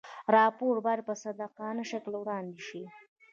راپور باید په صادقانه شکل وړاندې شي.